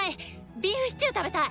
ビーフシチュー食べたい！